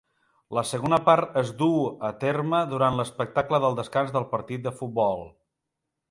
La segona part es duu a terme durant l'espectacle del descans del partit de futbol.